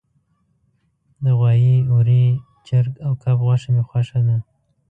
د غوایی، وری، چرګ او کب غوښه می خوښه ده